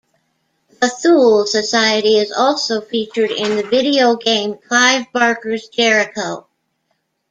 The Thule Society is also featured in the video game "Clive Barker's Jericho".